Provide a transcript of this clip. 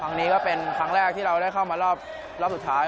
ครั้งนี้ก็เป็นครั้งแรกที่เราได้เข้ามารอบสุดท้าย